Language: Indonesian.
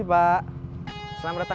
maaf ya ternyata